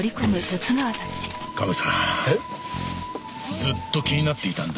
ずっと気になっていたんだ